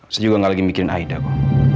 saya juga gak lagi mikirin aida kok